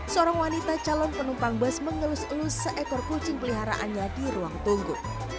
seorang wanita calon penumpang bus mengelus elus seekor kucing peliharaannya di ruang tunggu